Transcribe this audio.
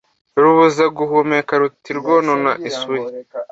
Rubuzaguhumeka Ruti rwonona isuri